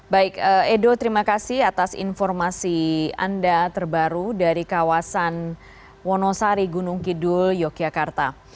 baik edo terima kasih atas informasi anda terbaru dari kawasan wonosari gunung kidul yogyakarta